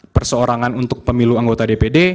perseorangan untuk pemilu anggota dpd